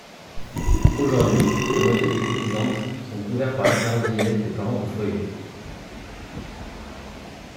Aujourd’hui, la moitié des cotisantes sont couvertes par l’assurance vieillesse des parents au foyer.